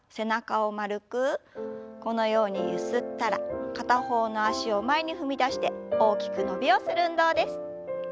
このようにゆすったら片方の脚を前に踏み出して大きく伸びをする運動です。